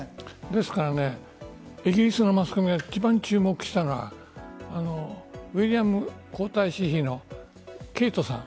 ですからイギリスのマスコミが一番注目したのはウィリアム皇太子妃のケイトさん。